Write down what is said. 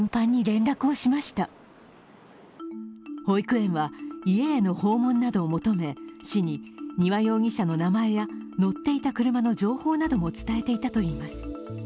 保育園は家への訪問などを求め、市に丹羽容疑者の名前や乗っていた車の情報なども伝えていたといいます。